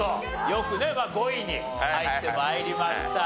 よくね５位に入って参りました。